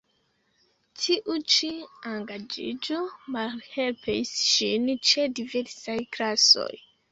Tiu ĉi engaĝiĝo malhelpis ŝin ĉe diversaj klasoj.